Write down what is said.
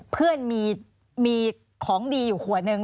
เพื่อนมีของดีอยู่ขวดนึง